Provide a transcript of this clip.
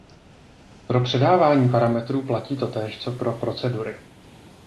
Pro předávání parametrů platí totéž co pro procedury.